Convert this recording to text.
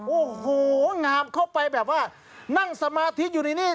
โอ้โหงามเข้าไปแบบว่านั่งสมาธิอยู่ในนี่